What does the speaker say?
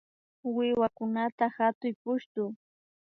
Wiwakunata hatuy pushtu